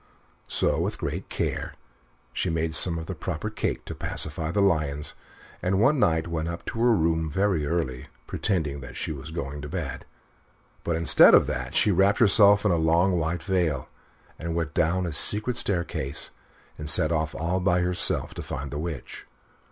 So, with great care, she made some of the proper cake to pacify the lions, and one night went up to her room very early, pretending that she was going to bed; but instead of that, she wrapped herself in a long white veil, and went down a secret staircase, and set off all by herself to find the Witch.